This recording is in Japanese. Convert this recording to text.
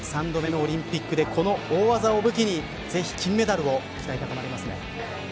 ３度目のオリンピックでこの大技を武器にぜひ、金メダルの期待高まりますね。